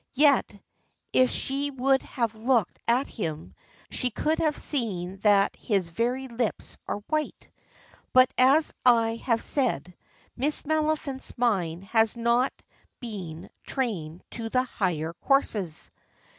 Yet, if she would have looked at him, she could have seen that his very lips are white. But as I have said, Miss Maliphant's mind has not been trained to the higher courses.